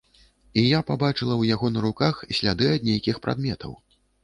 І я пабачыла ў яго на руках сляды ад нейкіх прадметаў.